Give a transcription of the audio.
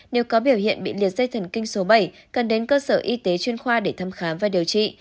nếu có biểu hiện bị liệt dây thần kinh số bảy cần đến cơ sở y tế chuyên khoa để thăm khám và điều trị